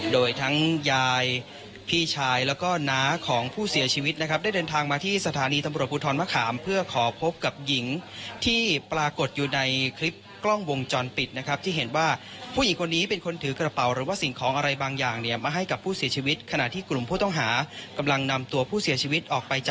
โดยทั้งยายพี่ชายแล้วก็น้าของผู้เสียชีวิตนะครับได้เดินทางมาที่สถานีตำรวจภูทรมะขามเพื่อขอพบกับหญิงที่ปรากฏอยู่ในคลิปกล้องวงจรปิดนะครับที่เห็นว่าผู้หญิงคนนี้เป็นคนถือกระเป๋าหรือว่าสิ่งของอะไรบางอย่างเนี่ยมาให้กับผู้เสียชีวิตขณะที่กลุ่มผู้ต้องหากำลังนำตัวผู้เสียชีวิตออกไปจาก